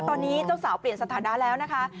ตอนนี้เจ้าสาวเปลี่ยนสถานะแล้วนะคะ